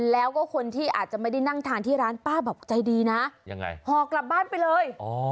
แล้วก็คนที่อาจจะไม่ได้นั่งทานที่ร้านป้าบอกใจดีนะยังไงห่อกลับบ้านไปเลย